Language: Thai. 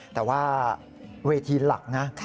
แต่ว่าเวทีหลักนะ